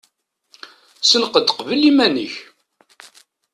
Senqed qbel iman-ik.